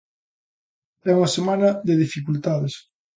E nunha semana de dificultades.